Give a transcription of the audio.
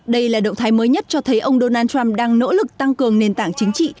đây là động thái mới nhất cho thấy ông donald trump đang nỗ lực tăng cường nền tảng chính trị